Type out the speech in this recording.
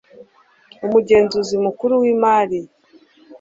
umugenzuzi mukuru w imariy